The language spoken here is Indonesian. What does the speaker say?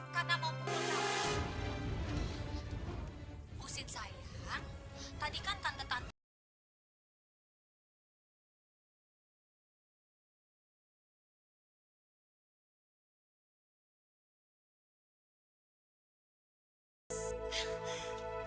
kalau sampai terjadi apa apa sama kamu tante khawatir